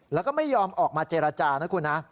แล้วก็ไม่ยอมออกมาเจรจานะคุณนะ